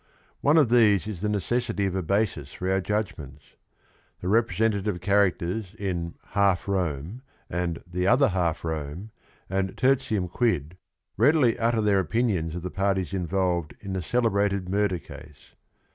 One of these is the necessity of a basis for our ju dgment s? The representative characters" in "Half Rome" and "The Other Half Rome" and "Tertium Quid" readily utter their opinions of the parties involved in the "celebrated murder case."